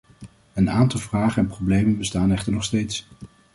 Een aantal vragen en problemen bestaan echter nog steeds.